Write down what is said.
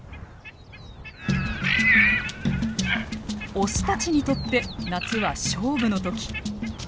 オスたちにとって夏は勝負の時。